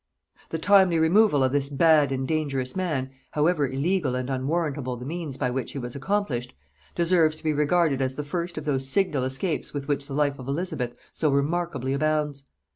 The timely removal of this bad and dangerous man, however illegal and unwarrantable the means by which it was accomplished, deserves to be regarded as the first of those signal escapes with which the life of Elizabeth so remarkably abounds.